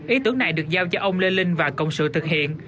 ý tưởng này được giao cho ông lê linh và cộng sự thực hiện